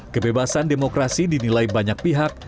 kebebasan demokrasi dinilai banyak pihak